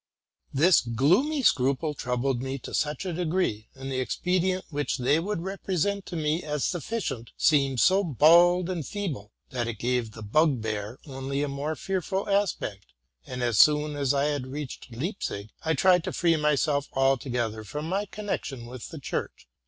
This gloomy scruple troubled me to such a degree, and the expedient which they would represent to me as sufficient seemed so bald and feeble, that it gave the bugbear only a more fearful aspect; and, as soon as SI had reached Leipzig, I tried to free myself altogether from my connection with the church.